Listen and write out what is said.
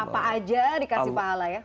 apa aja dikasih pahala ya